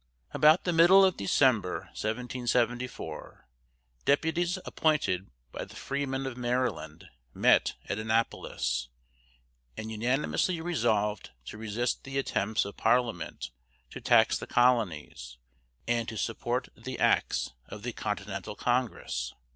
About the middle of December, 1774, deputies appointed by the freemen of Maryland met at Annapolis, and unanimously resolved to resist the attempts of Parliament to tax the colonies and to support the acts of the Continental Congress.